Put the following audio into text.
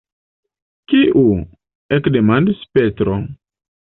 Kiu? ekdemandis Petro.